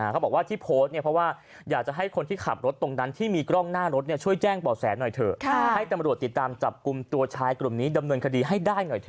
เขาบอกว่าให้ทำรับติดตามจับกลุ่มตัวชายกลุ่มนี้ดำนวนคดีให้ได้หน่อยเถอะ